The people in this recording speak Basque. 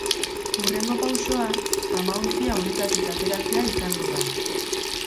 Hurrengo pausoa, zamaontzia uretatik ateratzea izango da.